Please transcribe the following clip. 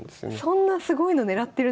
そんなすごいの狙ってるんですね